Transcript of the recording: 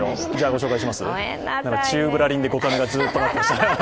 宙ぶらりんで５カメがずっと待ってました。